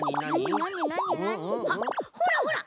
あっほらほら！